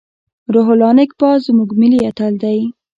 روح الله نیکپا زموږ ملي اتل دی.